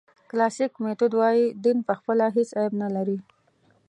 کلاسیک میتود وایي دین پخپله هېڅ عیب نه لري.